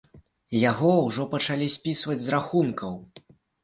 Яго ўжо пачалі спісваць з рахункаў.